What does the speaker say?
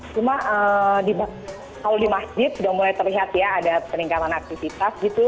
cuma kalau di masjid sudah mulai terlihat ya ada peningkatan aktivitas gitu